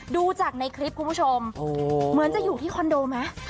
ดูจากในคลิปคุณผู้ชมเหมือนจะอยู่ที่คอนโดไหม